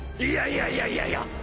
いやいやいやいや